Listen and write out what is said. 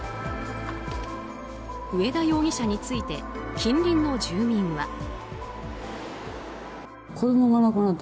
上田容疑者について近隣の住民は。